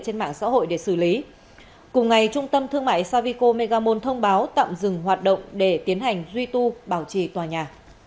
trên mạng xã hội để xử lý cùng ngày trung tâm thương mại saviko megamon thông báo tạm dừng hoạt động để tiến hành duy tu bảo trì tòa nhà